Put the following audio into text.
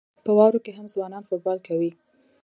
په واورو کې هم ځوانان فوټبال کوي.